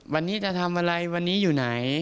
วันนี้จะทำอะไรวันนี้อยู่ไหน